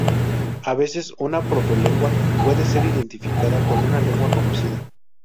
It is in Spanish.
A veces una protolengua puede ser identificada con una lengua conocida.